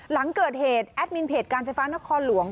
หลังเกิดเหตุแอดมินเพจการไฟฟ้านครหลวง